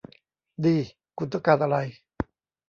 ดี คุณต้องการอะไร